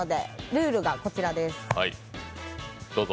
ルールがこちらです。